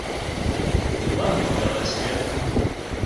Кӧлан логалеш гын?